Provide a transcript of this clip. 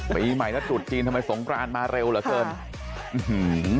ปีใหม่แล้วจุดจีนทำไมสงครานมาเร็วเหรอเกินค่ะ